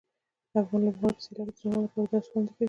د افغان لوبغاړو په سیالیو کې د ځوانانو لپاره د درس وړاندې کوي.